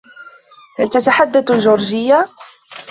هل تتحدث الجورجية ؟